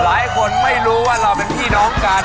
หลายคนไม่รู้ว่าเราเป็นพี่น้องกัน